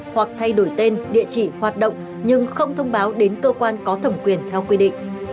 hoặc thay đổi tên địa chỉ hoạt động nhưng không thông báo đến cơ quan có thẩm quyền theo quy định